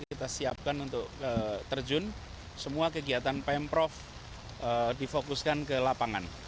kita siapkan untuk terjun semua kegiatan pemprov difokuskan ke lapangan